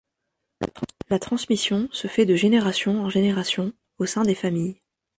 La transmission se fait de génération en génération, au sein des familles.